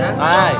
ada yang banyak